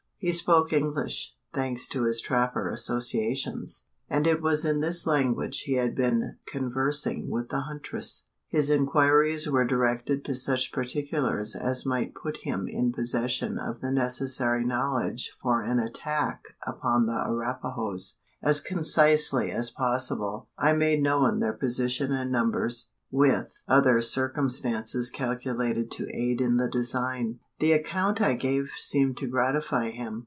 He spoke English thanks to his trapper associations: and it was in this language he had been conversing with the huntress. His inquiries were directed to such particulars as might put him in possession of the necessary knowledge for an attack upon the Arapahoes. As concisely as possible, I made known their position and numbers with other circumstances calculated to aid in the design. The account I gave seemed to gratify him.